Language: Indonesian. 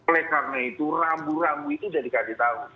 oleh karena itu rambu rambu itu sudah diberitahu